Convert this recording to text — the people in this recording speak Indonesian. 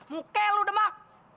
muke lo demak